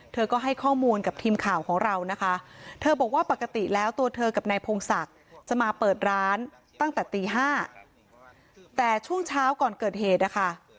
เธอก็ให้ข้อมูลกับทีมข่าวของเรานะคะเธอบอกว่าปกติแล้วตัวเธอกับนายพงศักดิ์จะมาเปิดร้านตั้งแต่ตี๕แต่ช่วงเช้าก่อนเกิดเหตุนะคะ